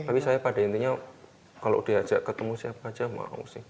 tapi saya pada intinya kalau diajak ketemu siapa aja mau sih